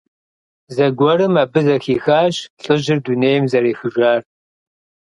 Зэгуэрым абы зэхихащ лӀыжьыр дунейм зэрехыжар.